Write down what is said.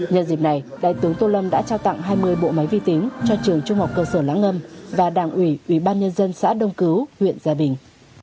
nhân dịp này đại tướng tô lâm đã trao tặng hai mươi bộ máy vi tính cho trường trung học cơ sở lắng ngâm và đảng ủy ủy ban nhân dân xã đông cứu huyện gia bình